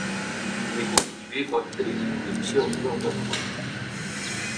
Elle est constituée par une sélection des meilleurs joueurs danois.